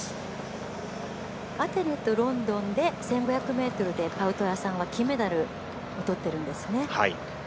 アテネとロンドンで１５００ｍでパウトワさんは金メダルを取ってるんですね。